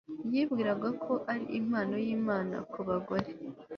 Yibwira ko ari impano yImana kubagore